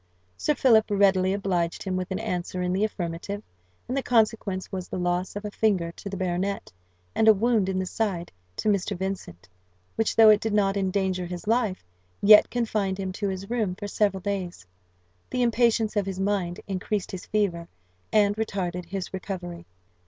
Sir Philip readily obliged him with an answer in the affirmative; and the consequence was the loss of a finger to the baronet, and a wound in the side to Mr. Vincent, which, though it did not endanger his life, yet confined him to his room for several days. The impatience of his mind increased his fever, and retarded his recovery.